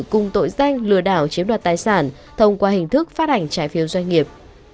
cùng tội danh lừa đảo chiếm đoạt tài sản thông qua hình thức phát hành trái phiếu doanh nghiệp